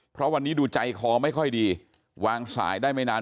เพราะวันนี้ดูใจคอไม่ค่อยดีวางสายได้ไม่นาน